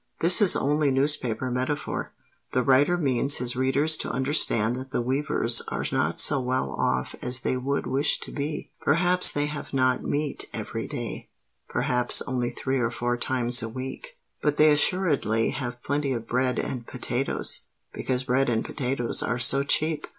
This is only newspaper metaphor: the writer means his readers to understand that the weavers are not so well off as they would wish to be. Perhaps they have not meat every day—perhaps only three or four times a week: but they assuredly have plenty of bread and potatoes—because bread and potatoes are so cheap!"